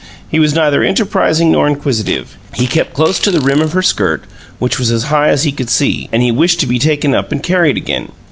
He was neither enterprising nor inquisitive; he kept close to the rim of her skirt, which was as high as he could see, and he wished to be taken up and carried again.